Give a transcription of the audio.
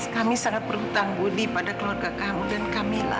kami sangat berhutang budi pada keluarga kamu dan kamila